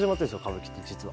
歌舞伎って実は。